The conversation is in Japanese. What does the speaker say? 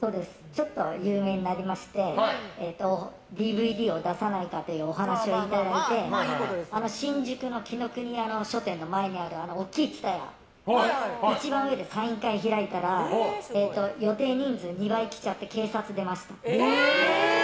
ちょっと有名になりましてＤＶＤを出さないかというお話をいただいて新宿の紀伊国屋書店の前にある大きいＴＳＵＴＡＹＡ一番上でサイン会を開いたら予定人数２倍来ちゃって警察が出ました。